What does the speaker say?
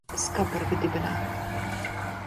Skabarga dibenā.